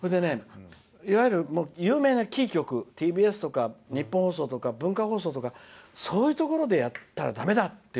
いわゆる、有名なキー局ＴＢＳとか日本放送とか文化放送とかそういうところでやったらだめだって